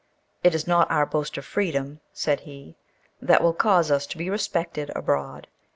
"It is not our boast of freedom," said he, "that will cause us to be respected abroad.